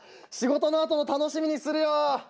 仕事のあとの楽しみにするよ。